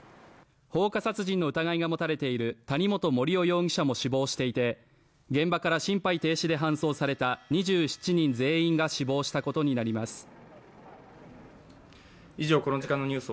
放火殺人の疑いが持たれている谷本盛雄容疑者も死亡していて現場から心肺停止で搬送された２７人全員が死亡したことになります。